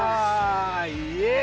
イエイ！